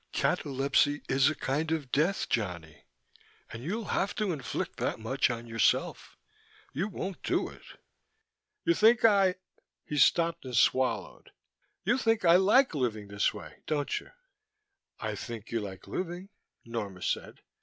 "Catalepsy is a kind of death, Johnny. And you'll have to inflict that much on yourself. You won't do it." "You think I " He stopped and swallowed. "You think I like living this way, don't you?" "I think you like living," Norma said.